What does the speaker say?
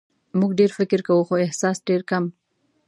موږ ډېر فکر کوو خو احساس ډېر کم.